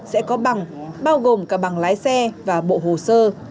bảy ngày sẽ có bằng bao gồm cả bằng lái xe và bộ hồ sơ